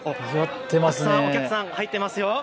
たくさんお客さん入っていますよ。